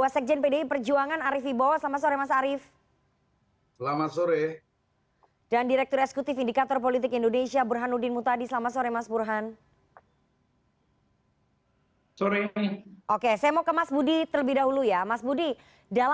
selamat sore mbak nana